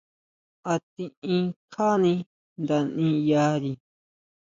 A tiʼin kjáni nda ʼniʼyari.